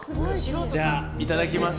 じゃあ、いただきます。